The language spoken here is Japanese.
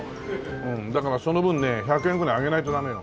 うんだからその分ね１００円くらい上げないとダメよ。